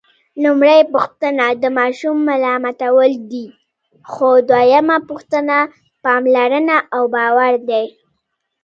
لومړۍ پوښتنه د ماشوم ملامتول دي، خو دویمه پوښتنه پاملرنه او باور دی.